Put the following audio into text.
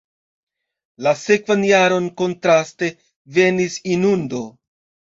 La sekvan jaron, kontraste, venis inundo.